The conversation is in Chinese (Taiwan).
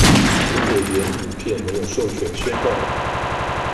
如果原影片沒有授權宣告